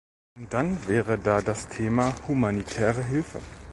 Und dann wäre da das Thema humanitäre Hilfe.